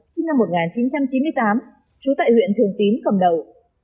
sinh năm một nghìn chín trăm chín mươi tám trú tại huyện thường tín cầm đầu